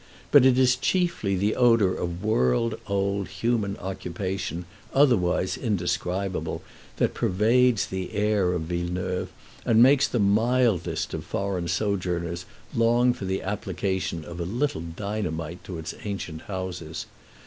But it is chiefly the odor of world old human occupation, otherwise indescribable, that pervades the air of Villeneuve, and makes the mildest of foreign sojourners long for the application of a little dynamite to its ancient houses.